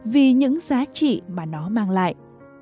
vì những giá trị mà nó mang lại